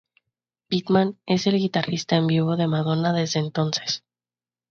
Pittman es el guitarrista en vivo de Madonna desde entonces.